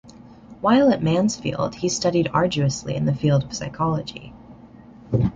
While at Mansfield he studied arduously in the field of psychology.